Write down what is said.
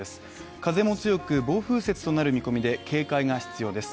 風も強く暴風雪となる見込みで警戒が必要です。